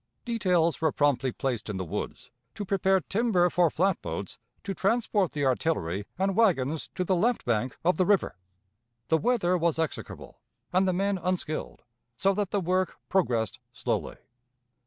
Details were promptly placed in the woods, to prepare timber for flat boats to transport the artillery and wagons to the left bank of the river. The weather was execrable, and the men unskilled, so that the work progressed slowly.